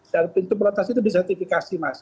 dan pintu perlintasan itu disertifikasi mas